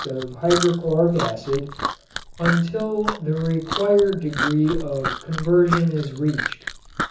of hydrochloric acid until the required degree of conversion is reached.